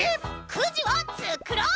くじをつくろう！